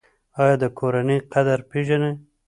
ایا د کورنۍ قدر پیژنئ؟